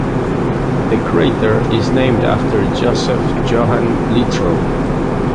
The crater is named after Joseph Johann Littrow.